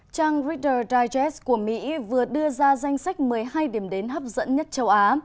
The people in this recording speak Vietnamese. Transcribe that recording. trang reader diges của mỹ vừa đưa ra danh sách một mươi hai điểm đến hấp dẫn nhất châu á